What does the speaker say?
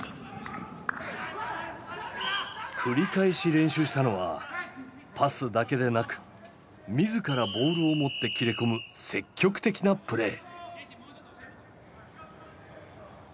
繰り返し練習したのはパスだけでなく自らボールを持って切れ込む積極的なプレー。